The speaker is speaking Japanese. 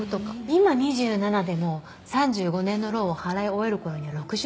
今２７でも３５年のローンを払い終える頃には６２だよ？